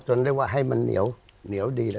จนได้ว่าให้มันเหนียวเนียวดีเลย